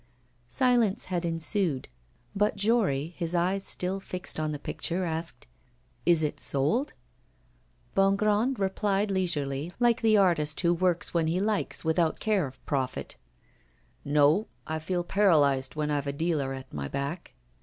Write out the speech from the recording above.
Silence had ensued, but Jory, his eyes still fixed on the picture, asked: 'Is it sold?' Bongrand replied leisurely, like the artist who works when he likes without care of profit: 'No; I feel paralysed when I've a dealer at my back.